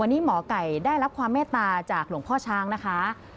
วันนี้หมอไก่ได้รับความเมตตาจากหลวงพ่อช้างนะคะ